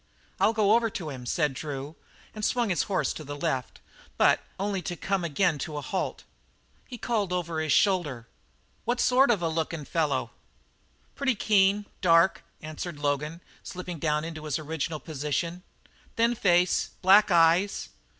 "I'll go over to him," said Drew, and swung his horse to the left, but only to come again to a halt. He called over his shoulder: "What sort of a looking fellow?" "Pretty keen dark," answered Logan, slipping down into his original position. "Thin face; black eyes."